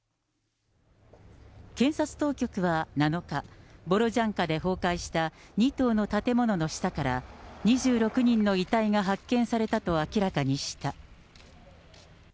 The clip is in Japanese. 検察当局は７日、ボロジャンカで崩壊した２棟の建物の下から、２６人の遺体が発見されたと明らかにした。